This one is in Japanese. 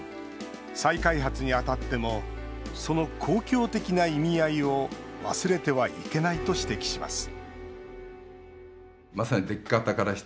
再開発にあたってもその公共的な意味合いを忘れてはいけないと指摘します